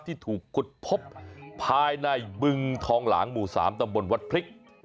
ที่ถูกขุดพบภายในบึงทองหลางหมู่๓ตำบลวัดพริก